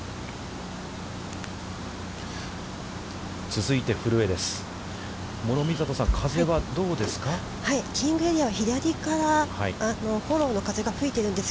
続いて古江です。